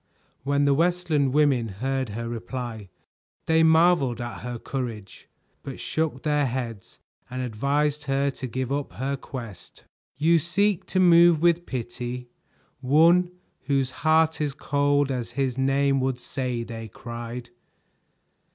When the Westland women heard her reply, they marveled at her courage, but shook their heads and advised her to give up her quest. "You seek to move with pity one whose heart is cold as his name would say!" they cried.